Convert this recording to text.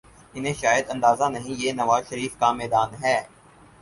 انہیں شاید اندازہ نہیں یہ نواز شریف کا میدان ہے۔